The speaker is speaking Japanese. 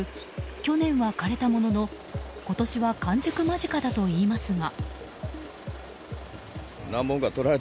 去年は枯れたものの今年は完熟間近だといいますが。